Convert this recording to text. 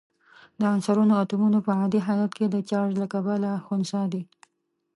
د عنصرونو اتومونه په عادي حالت کې د چارج له کبله خنثی دي.